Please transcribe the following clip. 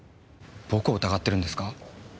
僕を疑ってるんですか？